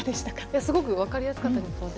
すごく分かりやすかったですよね。